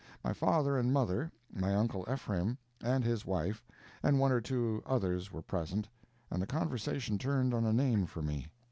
My father and mother, my uncle Ephraim and his wife, and one or two others were present, and the conversation turned on a name for me.